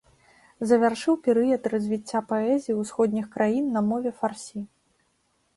Завяршыў перыяд развіцця паэзіі ўсходніх краін на мове фарсі.